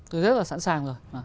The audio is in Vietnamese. tôi rất là sẵn sàng rồi